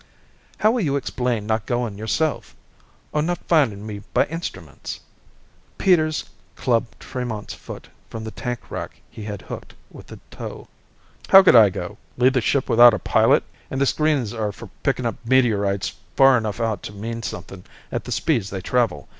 "How will you explain not going yourself? Or not finding me by instruments?" Peters clubbed Tremont's foot from the tank rack he had hooked with the toe. "How could I go? Leave the ship without a pilot? An' the screens are for pickin' up meteorites far enough out to mean somethin' at the speeds they travel.